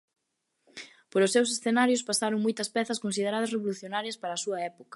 Polos seus escenarios pasaron moitas pezas consideradas revolucionarias para a súa época.